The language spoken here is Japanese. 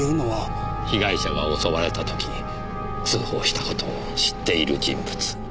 被害者が襲われた時通報した事を知っている人物。